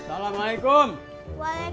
apaan ya si t